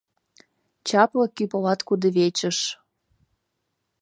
Чапле кӱ полат кудывечыш